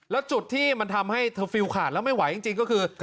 แล้วจุดที่มันทำให้เธอฟิลขาดแล้วไม่ไหวจริงก็คือ